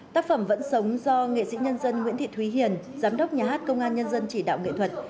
tác phẩm vẫn sống do nghệ sĩ nhân dân nguyễn thị thúy hiền giám đốc nhà hát công an nhân dân chỉ đạo nghệ thuật